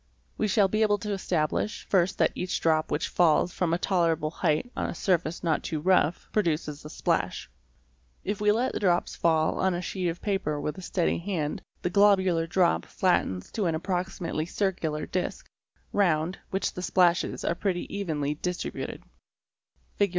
We shall be able to establish, first that each drop which falls from a tolerable height on _ a surface not too rough, produces a splash. _ If we let the drops fall on a sheet of paper Lh He with a steady hand, the globular drop flattens frig. 104 a. to an approximately circular disc, round which j : the splashes are pretty evenly distributed, Fig.